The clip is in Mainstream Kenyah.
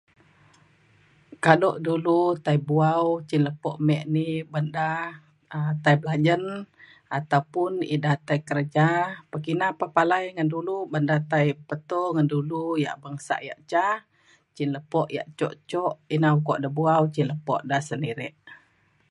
kado dulu tai bu’au cin lepo me ni ban da um tai belajen ataupun ida tai kerja pekina pa palai ngan dulu ban da tai peto ngan dulu yak bangsa yak ca cin lepo yak jok jok. ina ukok da bu’au cin lepo da sedirik.